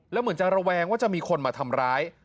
แล้วเหมือนจะระแวงว่าจะมีคนมาทำร้าย